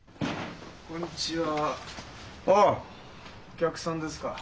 お客さんですか？